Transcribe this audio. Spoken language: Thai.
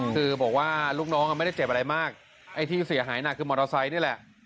คือบอกว่าลูกน้องไม่ได้เจ็บอะไรมากไอ้ที่เสียหายหนักคือมอเตอร์ไซค์นี่แหละ